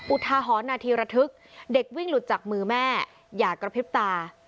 อุทาหรณ์นาทีระทึกเด็กวิ่งหลุดจากมือแม่อย่ากระพริบตา